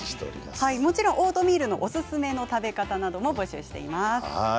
もちろんオートミールのおすすめの食べ方なども募集しています。